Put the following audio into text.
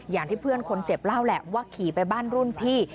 อย่างที่เพื่อนคนเจ็บเล่าแหละว่าขี่ไปบ้านรุ่นพี่